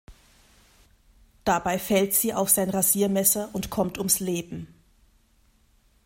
Dabei fällt sie auf sein Rasiermesser und kommt ums Leben.